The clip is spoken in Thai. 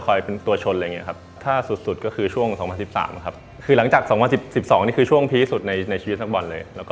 ก็จะสไตล์ทุ่มเทหน่อย